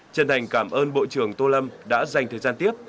chân thành cảm ơn bộ trưởng tô lâm đã dành thời gian tiếp